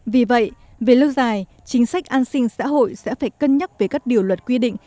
vì vậy về lâu dài chính sách an sinh xã hội sẽ phải cân nhắc về các điều luật quy định